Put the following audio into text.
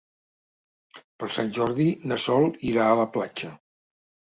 Per Sant Jordi na Sol irà a la platja.